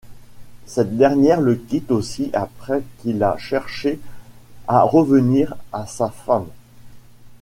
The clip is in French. Cette dernière le quitte aussi après qu'il a cherché à revenir à sa femme.